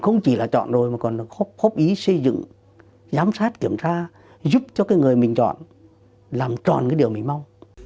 không chỉ là chọn rồi mà còn hốc ý xây dựng giám sát kiểm tra giúp cho cái người mình chọn làm tròn cái điều mình mong